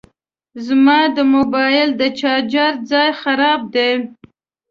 زما د موبایل د چارجر ځای خراب دی